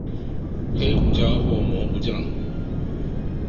黑胡椒或蘑菇醬